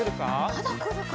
まだくるか？